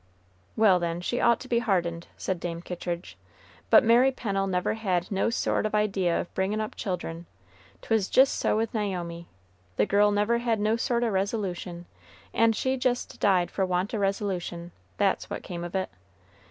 "Well, then, she ought to be hardened," said Dame Kittridge. "But Mary Pennel never had no sort of idea of bringin' up children; 'twas jist so with Naomi, the girl never had no sort o' resolution, and she just died for want o' resolution, that's what came of it.